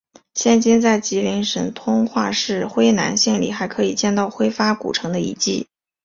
现今在吉林省通化市辉南县里还可以见到辉发古城的遗址。